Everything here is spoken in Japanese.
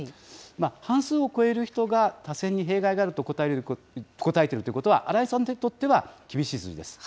半数を超える人が、多選に弊害があると答えているということは、荒井さんにとっては厳しい数字です。